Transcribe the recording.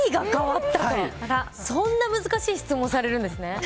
そんな難しい質問をされるんですね。